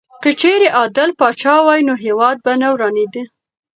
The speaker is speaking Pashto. که چېرې عادل پاچا وای نو هېواد به نه ورانېدی.